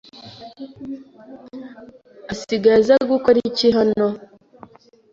Asigaye aza gukora iki hano?